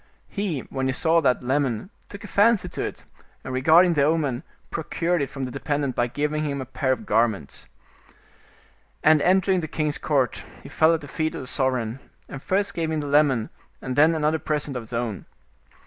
He, when he saw that lemon, took a fancy to it, and regarding the omen, procured it from the dependent by giving him a pair of garments. And entering the king's court, he fell at the feet of the sovereign, and first gave him the lemon, and then another present of his own.